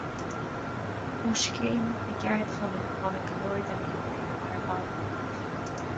Ó Scéim na gCeardchumann a tháinig go leor de na hoibrithe thar baile amach.